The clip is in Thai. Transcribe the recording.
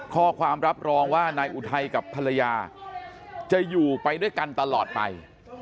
ข้อความรับรองว่านายอุทัยกับภรรยาจะอยู่ไปด้วยกันตลอดไป